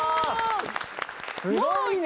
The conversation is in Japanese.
すごいね！